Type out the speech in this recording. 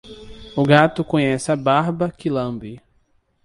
O gato conhece a barba que lambe.